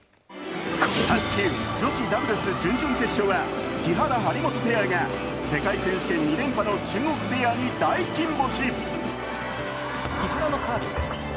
女子ダブルス準々決勝は木原・張本ペアが世界選手権連覇の中国ペアに大金星。